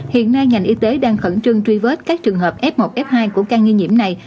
hiện nay ngành y tế đang khẩn trương truy vết các trường hợp f một f hai của ca nghi nhiễm này